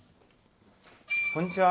こんにちは。